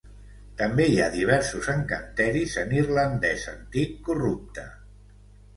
També hi ha diversos encanteris en irlandès antic corrupte.